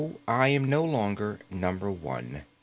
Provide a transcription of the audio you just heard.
I am no longer Number One.